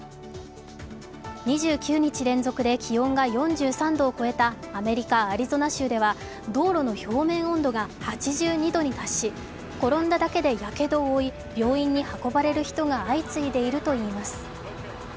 ２９日連続で気温が４３度を超えたアメリカ・アリゾナ州では道路の表面温度が８２度に達し転んだだけでやけどを負い病院に運ばれる人が相次いでいるといいます。